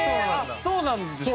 そうなんですね